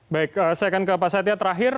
baik saya akan ke pasatnya terakhir